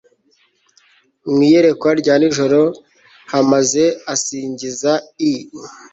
mu iyerekwa rya nijoro h maze asingiza i